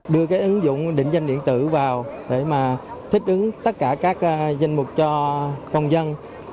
đưa cái ứng dụng định danh điện tử vào để mà thích ứng tất cả các danh mục cho công dân